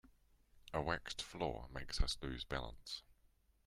A waxed floor makes us lose balance.